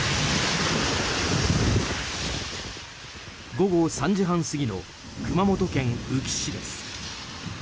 午後３時半過ぎの熊本県宇城市です。